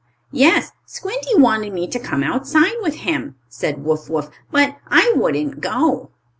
"Yes, Squinty wanted me to come outside with him," said Wuff Wuff. "But I wouldn't go."